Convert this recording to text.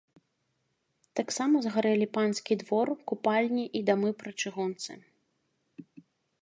Таксама згарэлі панскі двор, купальні і дамы пры чыгунцы.